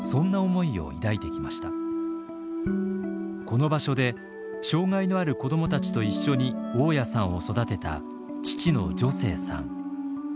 この場所で障害のある子どもたちと一緒に雄谷さんを育てた父の助成さん。